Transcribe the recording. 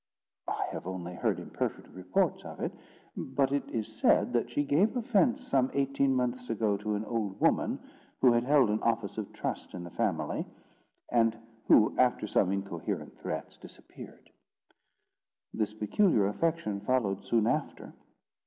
"I have only heard imperfect reports of it; but it is said that she gave offence some eighteen months ago to an old woman who had held an office of trust in the family, and who, after some incoherent threats, disappeared. This peculiar affection followed soon after.